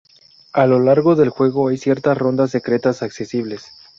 A lo largo del juego, hay ciertas rondas secretas accesibles.